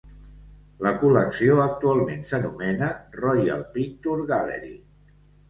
La col·lecció actualment s'anomena Royal Picture Gallery.